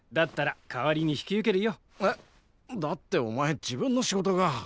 だってお前自分の仕事が。